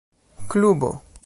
klubo